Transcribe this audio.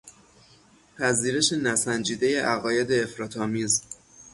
پذیرش نسنجیدهی عقاید افراط آمیز